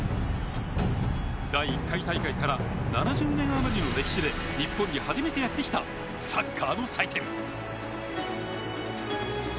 第１回大会から７０年あまりの歴史で日本に初めてやってきたサッカーの祭典。